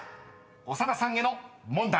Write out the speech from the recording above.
［長田さんへの問題］